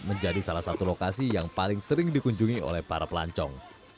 menjadi salah satu lokasi yang paling sering dikunjungi oleh para pelancong